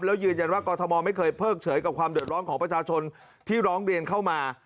แล้วยืนยันว่ากรทมไม่เคยเพิกเฉยกับความเดือดร้อนของประชาชนที่ร้องเรียนเข้ามา